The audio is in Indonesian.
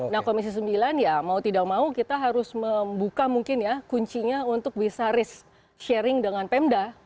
nah komisi sembilan ya mau tidak mau kita harus membuka mungkin ya kuncinya untuk bisa risk sharing dengan pemda